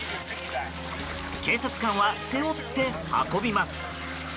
警察官は、背負って運びます。